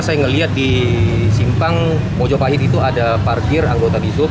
saya ngeliat di simpang mojo pahit itu ada parkir anggota bisub